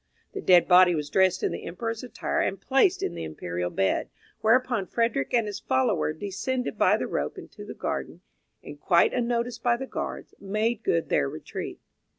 The dead body was dressed in the Emperor's attire and placed in the imperial bed, whereupon Frederick and his follower descended by the rope into the garden, and, quite unnoticed by the guards, made good their retreat.